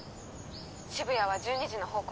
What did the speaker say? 渋谷は１２時の方向